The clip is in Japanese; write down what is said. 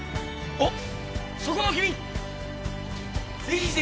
あっ。